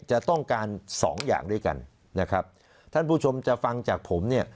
จะต้องการสองอย่างด้วยกันนะครับท่านผู้ชมจะฟังจากผมเนี่ย